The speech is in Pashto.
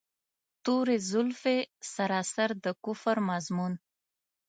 توري زلفې سراسر د کفر مضمون.